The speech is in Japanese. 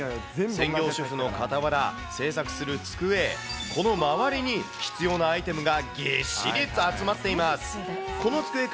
専業主婦のかたわら、制作する机、この周りに、必要なアイテムがぎっしりと集まっています。